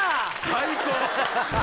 最高！